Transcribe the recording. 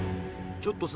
ちょっとさ